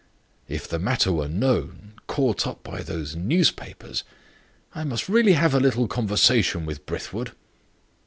If the matter were known caught up by those newspapers I must really have a little conversation with Brithwood."